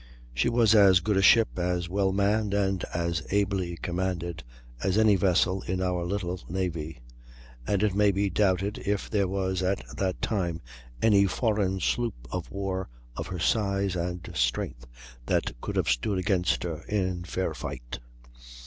She was as good a ship, as well manned, and as ably commanded as any vessel in our little navy; and it may be doubted if there was at that time any foreign sloop of war of her size and strength that could have stood against her in fair fight.